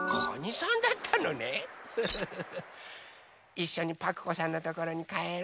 いっしょにパクこさんのところにかえろ！